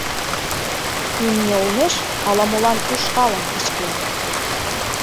Имне олмеш ала-молан ушкалым кычкен.